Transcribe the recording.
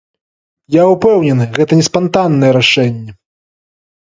Я ўпэўнены, гэта не спантаннае рашэнне.